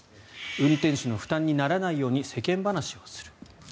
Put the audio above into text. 運転手の負担にならないように世間話をする。